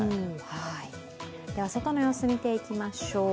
外の様子、見ていきましょう。